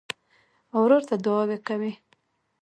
ورور ته دعاوې کوې.